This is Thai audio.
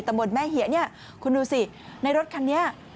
ตะบนแม่เหยียคุณดูสิในรถคันนี้